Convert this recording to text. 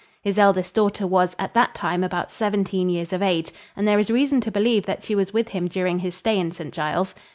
His eldest daughter was at that time about seventeen years of age, and there is reason to believe that she was with him during his stay in St. Giles.